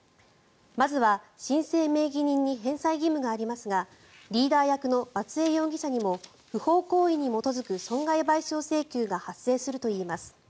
まずは申請名義人に返済義務がありますがリーダー役の松江容疑者にも不法行為に基づく損害賠償請求が発生するといいます。